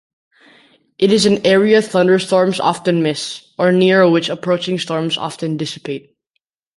It is an area thunderstorms often miss, or near which approaching storms often dissipate.